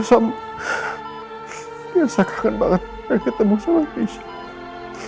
saya kangen banget ketemu aisyah